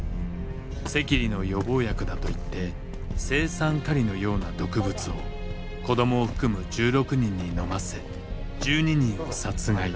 赤痢の予防薬だと言って青酸カリのような毒物を子供を含む１６人に飲ませ１２人を殺害。